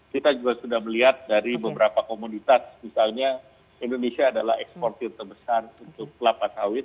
kita juga sudah melihat dari beberapa komoditas misalnya indonesia adalah eksportir terbesar untuk kelapa sawit